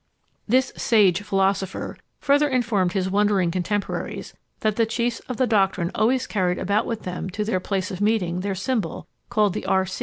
This "sage philosopher" further informed his wondering contemporaries that the chiefs of the doctrine always carried about with them to their place of meeting their symbol, called the R.